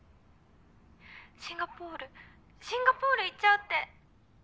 シンガポールシンガポール行っちゃうって。